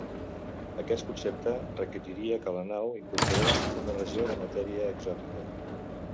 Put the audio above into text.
Aquest concepte requeriria que la nau incorporés una regió de matèria exòtica.